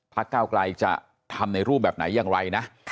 ภักดิ์เก้ากลายจะทำในรูปแบบไหนอย่างไรนะ